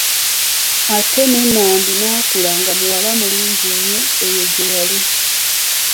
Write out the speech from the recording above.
Ate ne Nambi n'akula nga muwala mulungi nnyo eyo gy'eyali.